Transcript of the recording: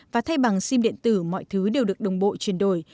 và thay bằng sim điện tử mọi thứ đều được đồng bộ chuyển đổi